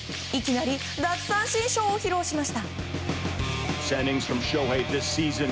いきなり奪三振ショーを披露しました。